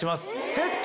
セット？